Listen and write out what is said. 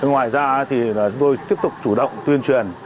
ngoài ra thì chúng tôi tiếp tục chủ động tuyên truyền